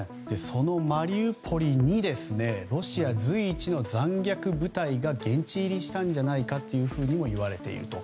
そのマリウポリにロシア随一の残虐部隊が現地入りしたのではないかといわれていると。